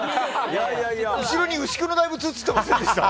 後ろに牛久の大仏映ってませんでした？